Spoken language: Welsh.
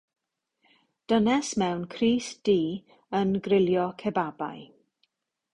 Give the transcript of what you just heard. Dynes mewn crys du yn grilio cebabau.